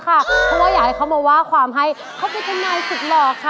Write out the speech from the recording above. เพราะอยากให้เขามาว่าความให้เขาเป็นคุณหน่าที่สุดหลอก